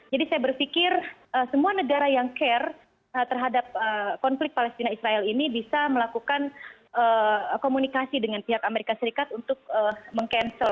jadi saya berpikir semua negara yang care terhadap konflik palestina israel ini bisa melakukan komunikasi dengan pihak amerika serikat untuk meng cancel